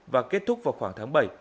và kết thúc vào khoảng tháng bảy